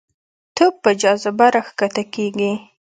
توپ په جاذبه راښکته کېږي.